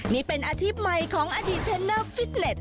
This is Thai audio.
นี่เป็นอาชีพใหม่ของอดีตเทนเนอร์ฟิสเล็ต